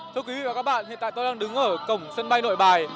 thưa quý vị và các bạn hiện tại tôi đang đứng ở cổng sân bay nội bài